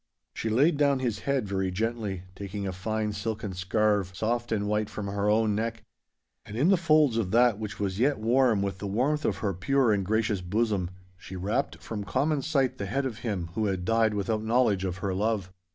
She laid down his head very gently, taking a fine silken scarve, soft and white, from her own neck. And in the folds of that which was yet warm with the warmth of her pure and gracious bosom, she wrapped from common sight the head of him who had died without knowledge of her love.